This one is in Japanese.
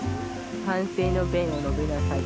反省の弁を述べなさい。